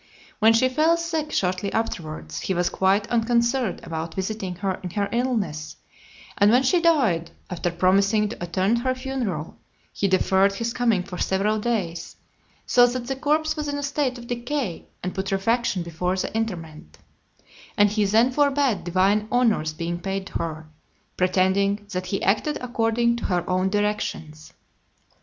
When she fell sick shortly afterwards, he was quite unconcerned about visiting her in her illness; and when she died, after promising to attend her funeral, he deferred his coming for several days, so that the corpse was in a state of decay and putrefaction before the interment; and he then forbad divine honours being paid to her, pretending that he acted according to her own directions.